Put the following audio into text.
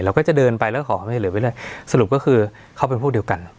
เราก็จะเดินไปแล้วก็ขอความช่วยเหลือไว้เลยสรุปก็คือเขาเป็นพวกเดียวกัน